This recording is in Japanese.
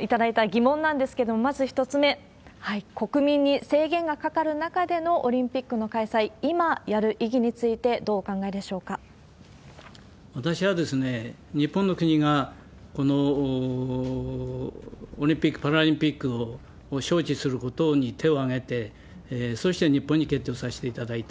いただいた疑問なんですけれども、まず１つ目、国民に制限がかかる中でのオリンピックの開催、今やる意義につい私は、日本の国がこのオリンピック・パラリンピックを招致することに手を挙げて、そして日本に決定をさせていただいた。